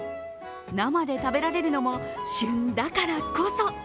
生で食べられるのも旬だからこそ。